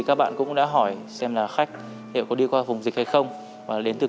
tôi cũng đã biết về dịch bệnh từ trước khi đến việt nam